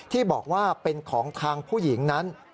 ที่บอกว่าเป็นของทางผู้หญิงนั้น